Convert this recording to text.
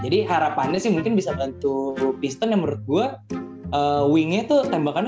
jadi harapan sih mungkin bisa bantu piston yang menurut gue wing itu tembakannya